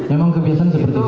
memang kebiasaan seperti itu